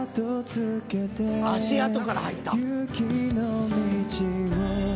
「足あと」から入った。